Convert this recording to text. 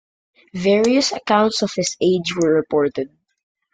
Various accounts of his age were reported.